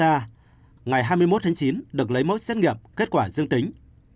thứ ba ngày hai mươi một tháng chín được lấy mẫu xét nghiệm kết quả dương tính